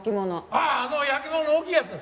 あああの焼き物の大きいやつ？